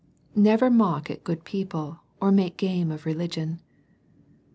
Never mock at good people, or make game of religion.